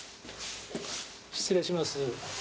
失礼します。